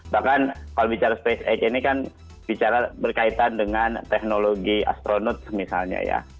bahkan kalau bicara space ini kan bicara berkaitan dengan teknologi astronot misalnya ya